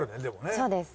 そうです。